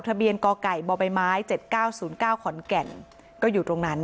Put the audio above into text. ทะเบียนกไก่บใบไม้๗๙๐๙ขอนแก่นก็อยู่ตรงนั้น